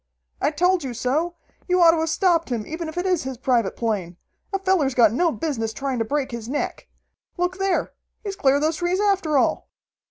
"I told you so! You ought to have stopped him, even if it is his private plane! A feller's got no business trying to break his neck! Look there! He's cleared those trees after all!"